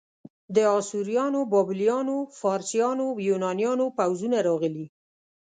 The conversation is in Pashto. د اسوریانو، بابلیانو، فارسیانو، یونانیانو پوځونه راغلي.